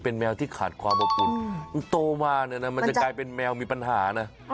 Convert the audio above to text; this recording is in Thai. เป็นแมวที่ขาดความอบอุ่นโตมาเนี่ยนะมันจะกลายเป็นแมวมีปัญหานะ